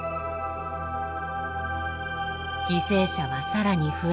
犠牲者は更に増え続け